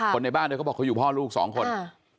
คนในบ้านเขาบอกสองคนนะครับ